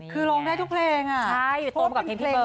ก็มีไปกันอีกแล้ว